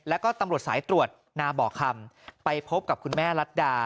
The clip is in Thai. แล้วก็ตำรวจสายตรวจนาบ่อคำไปพบกับคุณแม่รัฐดา